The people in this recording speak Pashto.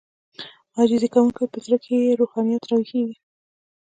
عاجزي کوونکی په زړه کې يې روحانيت راويښېږي.